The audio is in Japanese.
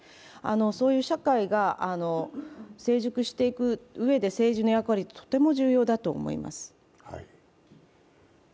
そういう社会が成熟していくうえで政治の役割ってとても重要だと思います。